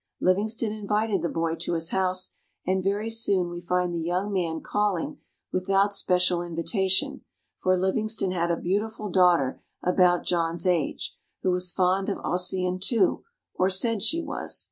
Livingston invited the boy to his house, and very soon we find the young man calling without special invitation, for Livingston had a beautiful daughter about John's age, who was fond of Ossian, too, or said she was.